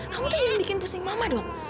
kamu tuh yang bikin pusing mama dong